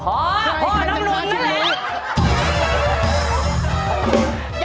พ่อพ่อน้ำหนุ่งนั่นแหละ